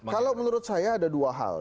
kalau menurut saya ada dua hal